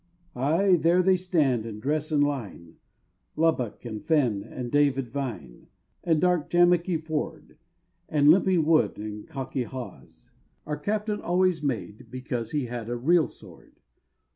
Ay, there they stand, and dress in line, Lubbock, and Fenn, and David Vine, And dark "Jamaeky Forde!" And limping Wood, and "Cockey Hawes," Our captain always made, because He had a real sword!